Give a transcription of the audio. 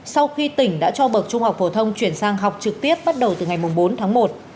sau khi tỉnh đã cho bậc trung học phổ thông chuyển sang học trực tiếp bắt đầu từ ngày bốn tháng một